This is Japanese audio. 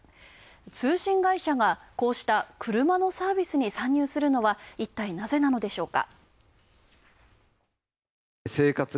通信会社が、こうしたクルマのサービスに参入するのはいったいなぜなのでしょうか？